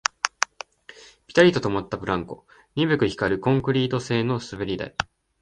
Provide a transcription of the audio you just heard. ピタリと止まったブランコ、鈍く光るコンクリート製の滑り台